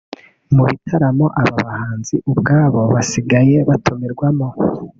Mu bitaramo aba bahanzi ubwabo basigaye batumirwamo